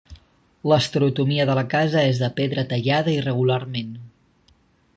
L'estereotomia de la casa és de pedra tallada irregularment.